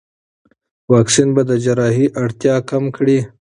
واکسین به د جراحي اړتیا کم کړي.